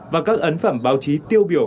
và các ấn phẩm báo chí tiêu biểu